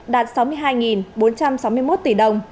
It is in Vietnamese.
đạt sáu mươi hai bốn trăm sáu mươi một tỷ đồng